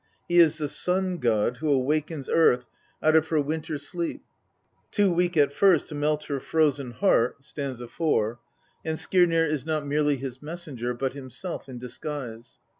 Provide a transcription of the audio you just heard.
He is the Sun god who awakens earth out of her winter INTRODUCTION. XLI sleep, too weak at first to melt her frozen heart (st. 4) ; and Skirnir is not merely his messenger, but himself in disguise.